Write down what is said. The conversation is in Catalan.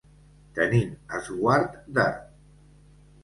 Tenint esguard de.